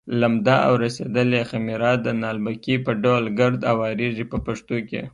لمده او رسېدلې خمېره د نالبکي په ډول ګرد اوارېږي په پښتو کې.